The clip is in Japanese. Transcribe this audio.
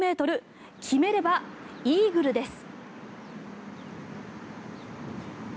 決めればイーグルです。